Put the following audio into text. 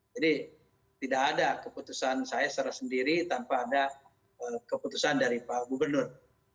jadi tidak ada keputusan saya secara sendiri tanpa ada keputusan dari pak gubernur